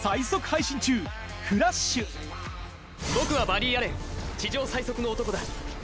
僕はバリー・アレン地上最速の男だ。